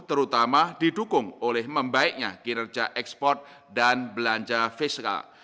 terutama didukung oleh membaiknya kinerja ekspor dan belanja fiskal